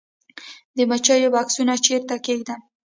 د مچیو بکسونه چیرته کیږدم؟